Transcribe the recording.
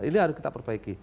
ini harus kita perbaiki